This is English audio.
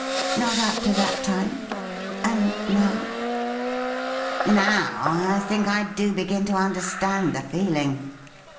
' Not up to that time ? And now ?'' Now I think I do begin to understand the feeling.